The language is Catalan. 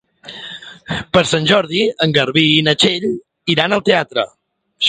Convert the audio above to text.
Per Sant Jordi en Garbí i na Txell iran al teatre.